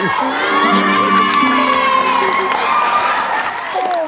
ออกเลย